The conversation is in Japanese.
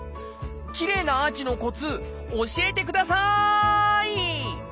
きれいなアーチのコツ教えてください！